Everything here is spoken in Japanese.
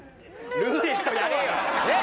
ルーレットやれよ！